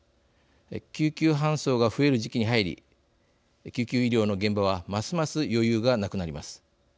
救急搬送が増える時期に入り救急医療の現場はますます余裕がなくなります。